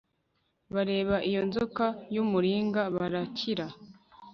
bareba iyo nzoka y'umuringa barakira